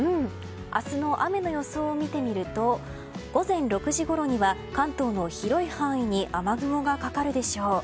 明日の雨の予想を見てみると午前６時ごろには関東の広い範囲に雨雲がかかるでしょう。